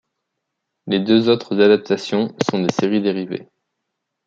Les deux autres adaptations sont des séries dérivées.